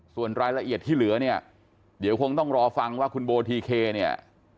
ส่วนรายละเอียดที่เหลือเนี่ยเดี๋ยวคงต้องรอฟังว่าคุณโบทีเคเนี่ย